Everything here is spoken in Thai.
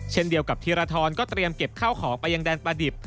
เช่นเดียวกับธีรทรก็เตรียมเก็บข้าวของไปยังแดนประดิบ